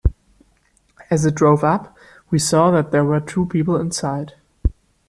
As it drove up, we saw that there were two people inside.